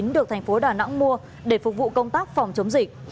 được thành phố đà nẵng mua để phục vụ công tác phòng chống dịch